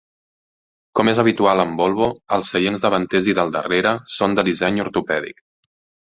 Com és habitual amb Volvo, els seients davanters i del darrere són de disseny ortopèdic.